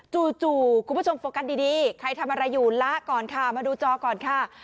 จู่คุณผู้ชมโฟกัสดีใครทำอะไรอยู่ละก่อนค่ะมาดูจอก่อนค่ะ